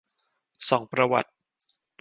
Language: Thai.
ส่องประวัติ